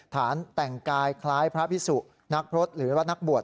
ฐานแต่งกายคล้ายพระพิสุนักพฤษหรือว่านักบวช